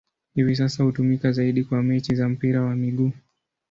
Hivi sasa hutumika zaidi kwa mechi za mpira wa miguu.